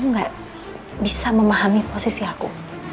mas kamu gak bisa memahami posisi aku